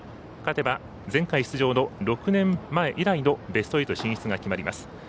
勝てば前回出場の６年前以来のベスト８進出が決まります。